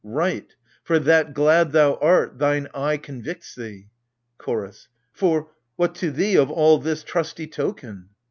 Right ! for, that glad thou art, thine eye convicts thee. CHORDS. For — what to thee, of all this, trusty token?